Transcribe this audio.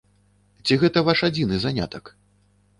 Ці гэта ваш адзіны занятак?